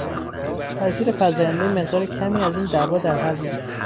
تاثیر فزایندهی مقدار کمی از این دوا در هر روز